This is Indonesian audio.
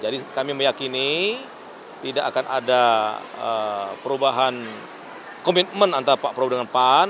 jadi kami meyakini tidak akan ada perubahan komitmen antara pak prabowo dengan pan